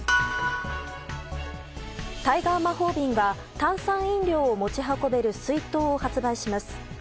タイガー魔法瓶が炭酸飲料を持ち運べる水筒を発売します。